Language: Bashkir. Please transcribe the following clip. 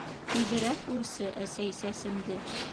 Тиҙерәк үрсе, әсәй, сәсемде!